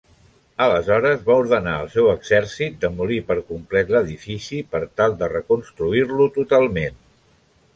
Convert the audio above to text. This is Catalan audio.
Aleshores va ordenar al seu exèrcit demolir per complet l'edifici per tal de reconstruir-lo totalment.